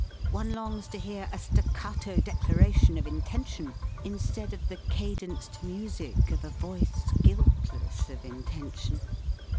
One longs to hear a staccato declaration of intention, instead of the cadenced music of a voice guiltless of intention.